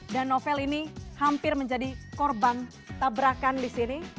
dan novel ini hampir menjadi korban tabrakan disini